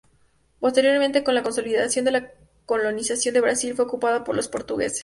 Posteriormente, con la consolidación de la colonización de Brasil, fue ocupada por los portugueses.